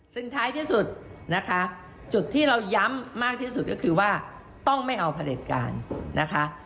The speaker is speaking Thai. ซึ่งท้ายที่สุดนะคะจุดที่เราย้ำมากที่สุดก็คือว่าต้องไม่เอาผลิตการนะคะ